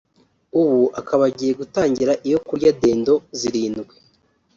ubu akaba agiye gutangira iyo kurya dendo zirindwi